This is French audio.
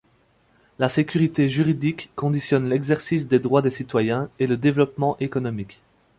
La sécurité juridique conditionne l'exercice des droits des citoyens et le développement économique.